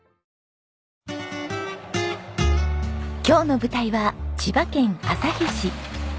今日の舞台は千葉県旭市。